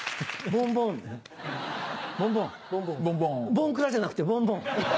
ボンクラじゃなくてボンボン。